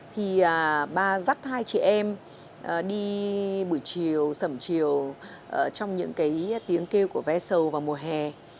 thì ba dắt hai chị em đi buổi chiều sẩm chiều trong những cái tiếng kêu của vé sầu vào mùa hè